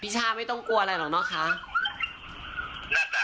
พี่ชามน่าจะเป็นคนมีพิษมีภัยนะเดี๋ยวไปฟังเสียงพี่ชมภูกันจ้า